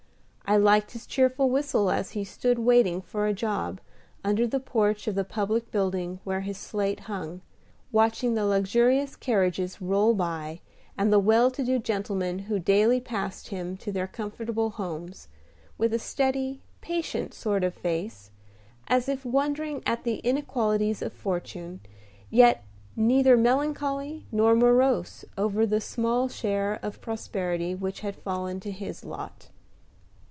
I liked his cheerful whistle as he stood waiting for a job under the porch of the public building where his slate hung, watching the luxurious carriages roll by, and the well to do gentlemen who daily passed him to their comfortable homes, with a steady, patient sort of face, as if wondering at the inequalities of fortune, yet neither melancholy nor morose over the small share of prosperity which had fallen to his lot.